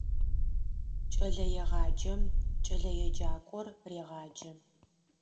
Кӏэлэегъаджэм кӏэлэеджакӏор регъаджэ.